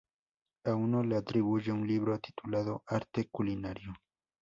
A uno le atribuye un libro titulado "Arte culinario".